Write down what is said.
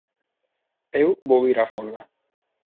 Eu vou ir á folga.